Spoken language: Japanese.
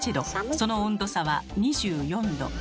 その温度差は２４℃。